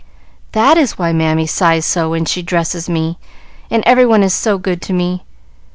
"That is why Mammy sighs so when she dresses me, and every one is so good to me.